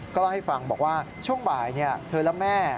ก็เล่าให้ฟังบอกว่าช่วงบ่ายเธอและแม่